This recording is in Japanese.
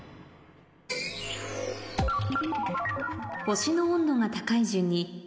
星の温度が高い順に